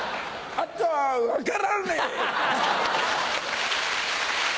あとは分からねえ！